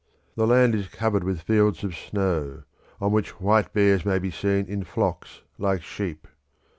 The land is covered with fields of snow, on which white bears may be seen in flocks like sheep.